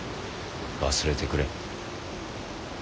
忘れてくれ。